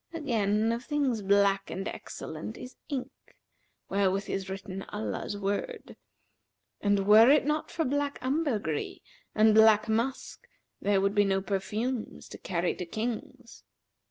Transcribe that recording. Again, of things black and excellent is ink, wherewith is written Allah's word; and were it not for black ambergris and black musk, there would be no perfumes to carry to Kings.